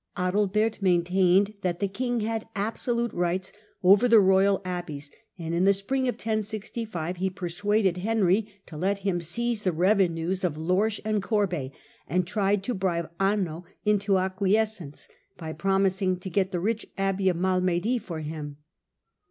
Adalbert maintained that the king had absolute rights over the royal abbeys, and in the spring of 1065 he persuaded Henry to let him seize the revenues of Lorsch and Oorbey, and tried to bribe Anno into acquiescence by promising to get the rich abbey of Malmedy for him.